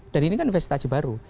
dan ini kan investasi baru